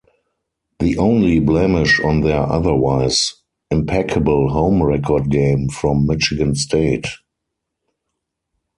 The only blemish on their otherwise impeccable home record came from Michigan State.